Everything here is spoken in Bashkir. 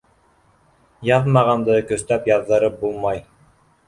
Яҙмағанды көстәп яҙҙырып булмай.